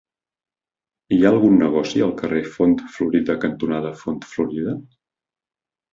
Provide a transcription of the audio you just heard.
Hi ha algun negoci al carrer Font Florida cantonada Font Florida?